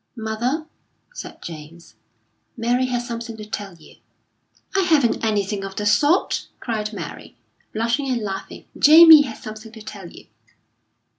"Mother," said James, "Mary has something to tell you." "I haven't anything of the sort!" cried Mary, blushing and laughing. "Jamie has something to tell you."